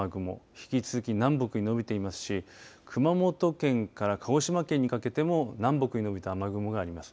引き続き南北に延びていますし熊本県から鹿児島県にかけても南北に伸びた雨雲があります。